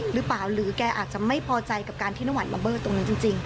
หรือเปล่าหรือแกอาจจะไม่พอใจกับการที่น้ำหวานระเบิดตรงนี้จริง